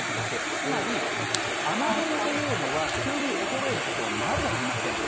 つまり、雨雲というのは急に衰えることはまずありません。